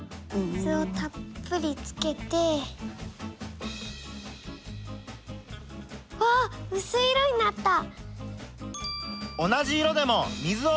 水をたっぷりつけて。わうすい色になった！